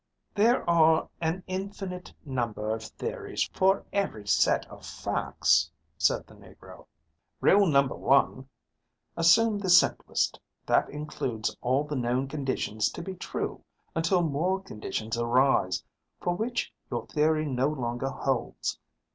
"There are an infinite number of theories for every set of facts," said the Negro. "Rule number one: assume the simplest; that includes all the known conditions to be true until more conditions arise for which your theory no longer holds.